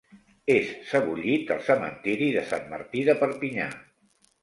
És sebollit al cementiri de Sant Martí de Perpinyà.